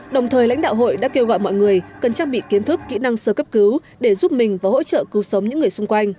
đồng thời lãnh đạo hội đã kêu gọi mọi người cần trang bị kiến thức kỹ năng sơ cấp cứu để giúp mình và hỗ trợ cứu sống những người xung quanh